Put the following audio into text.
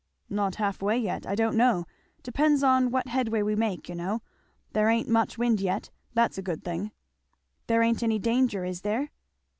"Not half way yet I don't know depends on what headway we make, you know; there ain't much wind yet, that's a good thing." "There ain't any danger, is there?"